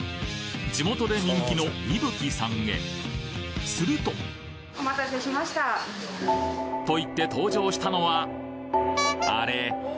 地元で人気のいぶきさんへするとといって登場したのはあれ？